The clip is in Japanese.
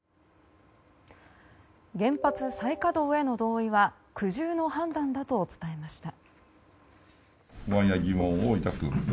原発再稼働への同意は苦渋の判断だと伝えました。